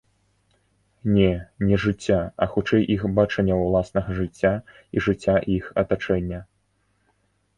Не, не жыцця, а хутчэй іх бачання ўласнага жыцця і жыцця іх атачэння.